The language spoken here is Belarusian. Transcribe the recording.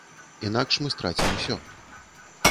Інакш мы страцім усё.